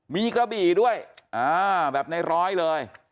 มีกระบี่ด้วยแบบในร้อยเลย